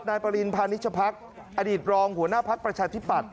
นายปริณพานิชพักอดีตรองหัวหน้าภักดิ์ประชาธิปัตย